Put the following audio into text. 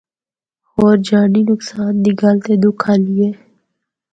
ہور جانی نقصان دی گل تے دُکھ آلی اے۔